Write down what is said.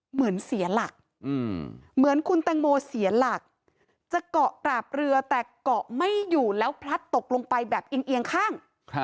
เหมือนเสียหลักเหมือนคุณแตงโมเสียหลักจะเกาะกราบเรือแต่เกาะไม่อยู่แล้วพลัดตกลงไปแบบเอียงข้าง